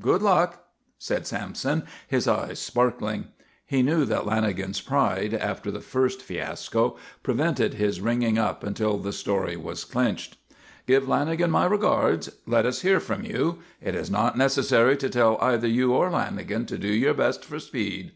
Good luck," said Sampson, his eyes sparkling. He knew that Lanagan's pride, after the first fiasco, prevented his ringing up until the story was clinched. "Give Lanagan my regards. Let us hear from you. It is not necessary to tell either you or Lanagan to do your best for speed."